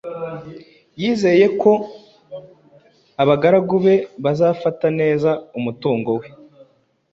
yizeye ko abagaragu be bazafata neza umutungo we